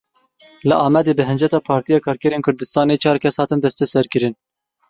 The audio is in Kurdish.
Li Amedê bi hinceta Partiya Karkerên Kurdistanê çar kes hatin desteserkirin.